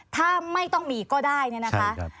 ถ้าไม่ต้องมีก็ได้เนี่ยนะคะ